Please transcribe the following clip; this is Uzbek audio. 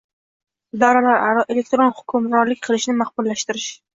idoralararo elektron hamkorlik qilishni maqbullashtirish;